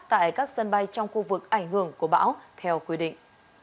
tại các sân bay trong khu vực ảnh hưởng của bão theo quy định